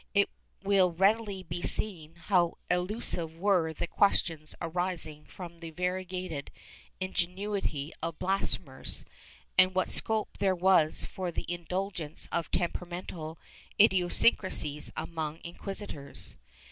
^ It will readily be seen how elusive were the questions arising from the variegated inge nuity of blasphemers, and what scope there was for the indulgence of temperamental idiosyncracies among inquisitors.